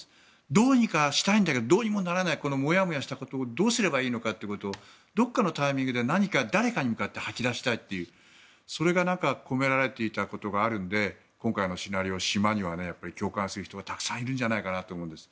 どうにかしたいんだけどどうにもならないどうしたらいいのかをどこかのタイミングで何か誰かに向かって吐き出したいというそれが込められていたことがあるので今回のシナリオ「島」には共感する人がたくさんいるんじゃないかと思うんです。